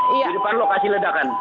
di depan lokasi ledakan